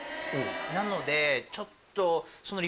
なのでちょっと。